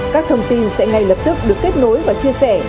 các thông tin sẽ ngay lập tức được kết nối và chia sẻ